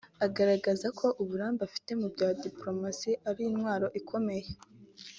anagaragaza ko uburambe afite mu bya Dipolomasi ari intwaro ikomeye